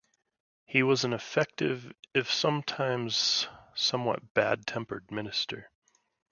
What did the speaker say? He was an effective, if sometimes somewhat bad-tempered minister.